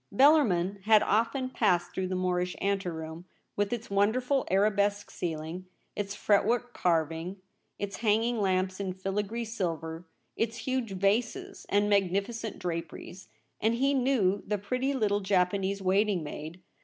Bellarmin had often passed through the Moorish anteroom, with its wonderful ara besque ceiling, its fretwork carving, its hang ing lamps in filigree silver, its huge vases and magnificent draperies ; and he knew the pretty little Japanese waiting maid.